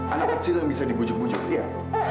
anak kecil yang bisa dibujuk bujuk lihat